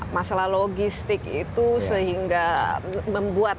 masalah logistik itu sehingga membuat